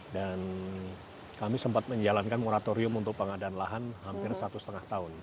dan kami sempat menjalankan moratorium untuk pengadaan lahan hampir satu setengah tahun